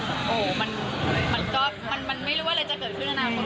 โอ้โหมันก็มันไม่รู้ว่าอะไรจะเกิดขึ้นอนาคต